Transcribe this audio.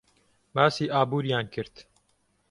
باسی ئابووریان کرد.